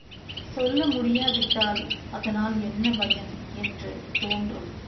சொல்ல முடியாவிட்டால் அதனால் என்ன பயன் என்று தோன்றும்.